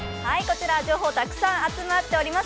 情報たくさん集まっています。